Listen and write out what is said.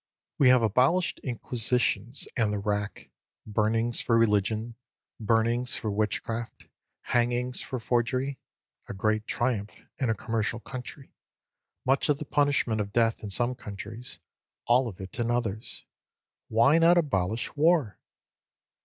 We have abolished inquisitions and the rack, burnings for religion, burnings for witchcraft, hangings for forgery (a great triumph in a commercial country), much of the punishment of death in some countries, all of it in others. Why not abolish war?